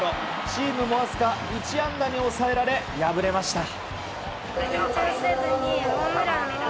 チームもわずか１安打に抑えられ敗れました。